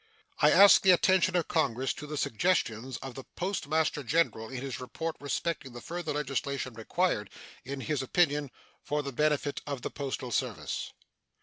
I ask the attention of Congress to the suggestions of the Postmaster General in his report respecting the further legislation required, in his opinion, for the benefit of the postal service.